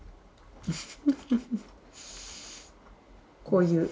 こういう。